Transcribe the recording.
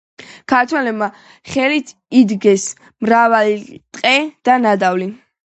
ქართველებმა ხელთ იგდეს მრავალი ტყვე და ნადავლი.